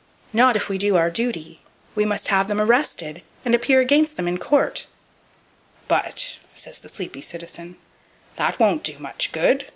"Not if we do our duty. We must have them arrested, and appear against them in court." "But," says the sleepy citizen, "That won't do much good.